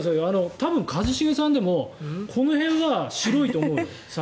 多分、一茂さんでもこの辺はさすがに白いと思うよ。